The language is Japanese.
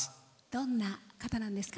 どんな方なんですか？